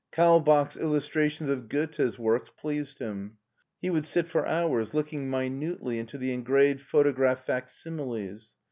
Kaulbach's illustrations of Goethe's works pleased him. He would sit for hours looking minutely into the engraved photo graph facsimiles.